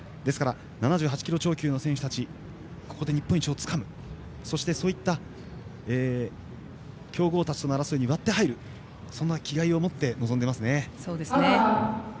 ですから７８キロ超級の選手たちはここで日本一をつかむ争いに割って入るそんな気合いを持って臨んでいますね。